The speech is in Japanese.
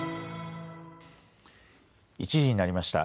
１時になりました。